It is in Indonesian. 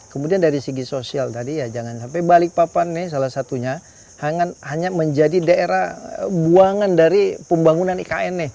kemudian dari segi sosial tadi jangan sampai balipapan salah satunya hanya menjadi daerah buangan dari pembangunan ikn